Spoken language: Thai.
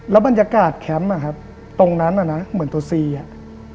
บรรยากาศแคมป์อ่ะครับตรงนั้นอ่ะนะเหมือนตัวซีอ่ะ